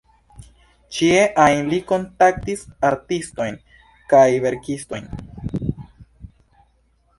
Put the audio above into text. Ĉie ajn li kontaktis artistojn kaj verkistojn.